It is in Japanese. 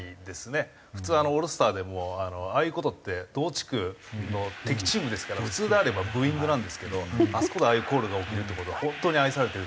普通オールスターでもああいう事って同地区の敵チームですから普通であればブーイングなんですけどあそこでああいうコールが起きるって事は本当に愛されてる。